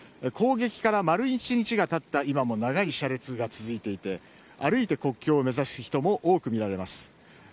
攻撃から丸１日が経った今も長い車列が続いていて歩いて国境を目指す人も多く見られます。